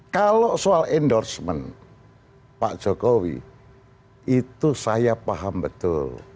kalau soal endorsement pak jokowi itu saya paham betul